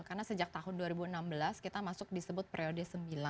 karena sejak tahun dua ribu enam belas kita masuk disebut periode sembilan